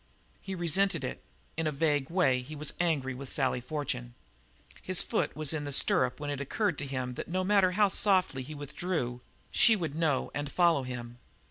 He resented it; in a vague way he was angry with Sally Fortune. His foot was in the stirrup when it occurred to him that no matter how softly he withdrew she would know and follow him.